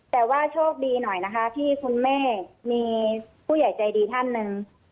แต่ว่าโชคดีหน่อยนะคะที่คุณแม่มีผู้ใหญ่ใจดีท่านหนึ่ง